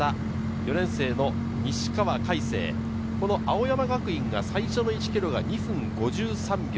４年生の西川魁星、この青山学院が最初の１ｋｍが２分５３秒。